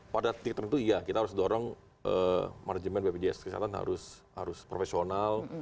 pada titik tertentu iya kita harus dorong manajemen bpjs kesehatan harus profesional